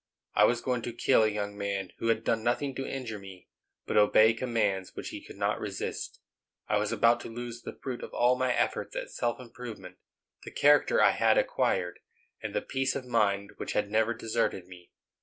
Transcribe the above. I was going to kill a young man, who had done nothing to injure me, but obey commands which he could not resist; I was about to lose the fruit of all my efforts at self improvement, the character I had acquired, and the peace of mind which had never deserted me.